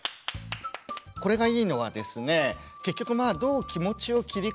これがいいのはですね